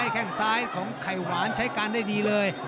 แข้งซ้ายของไข่หวานใช้การได้ดีเลย